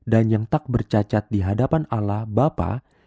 dan yang tak bercacat di hadapan allah bapak